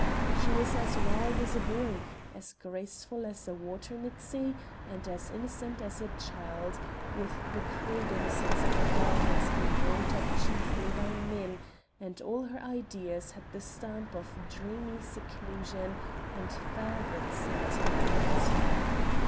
She was as wild as a boy, as graceful as a water nixie, and as innocent as a child with the crude innocence of a girl who has been brought up chiefly by men and all her ideas had the stamp of dreamy seclusion and fervid sentiment.